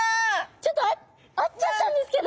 ちょっと会っちゃったんですけど！